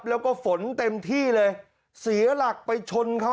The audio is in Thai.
แล้วก็ฝนเต็มที่เลยเสียหลักไปชนเขา